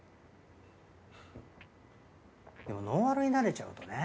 でもノンアルに慣れちゃうとね。